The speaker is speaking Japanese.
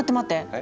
え？